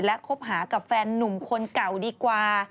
และคบหากับแฟนนุ่มคนเก่าดีกว่า